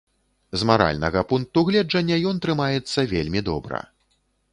З маральнага пункту гледжання ён трымаецца вельмі добра.